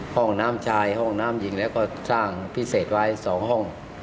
ห้องน้ำชายห้องน้ำยิงแล้วก็สร้างพิเศษไว้๒ห้อง